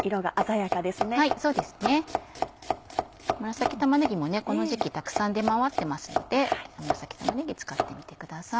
紫玉ねぎもこの時期たくさん出回ってますので紫玉ねぎ使ってみてください。